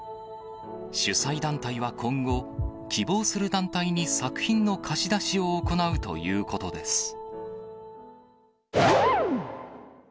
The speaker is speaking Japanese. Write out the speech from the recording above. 主催団体は今後、希望する団体に作品の貸し出しを行うということです。